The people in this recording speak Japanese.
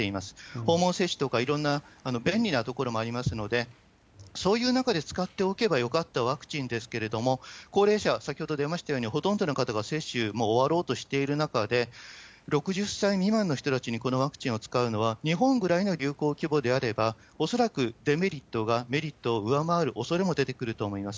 訪問接種とか、いろんな便利なところもありますので、そういう中で使っておけばよかったワクチンですけれども、高齢者、先ほど出ましたように、ほとんどの方が接種、もう終わろうとしている中で、６０歳未満の人たちにこのワクチンを使うのは、日本ぐらいの流行規模であれば、恐らくデメリットがメリットを上回るおそれも出てくると思います。